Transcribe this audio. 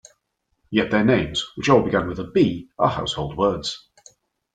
Yet their names, which all begin with a 'B', are household words.